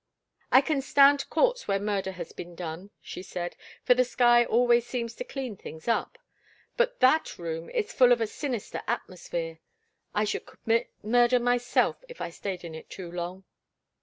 "I can stand courts where murder has been done," she said, "for the sky always seems to clean things up. But that room is full of a sinister atmosphere. I should commit murder myself if I stayed in it too long."